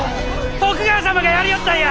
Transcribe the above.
徳川様がやりおったんや！